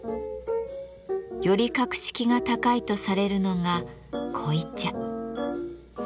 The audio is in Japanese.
より格式が高いとされるのが濃茶。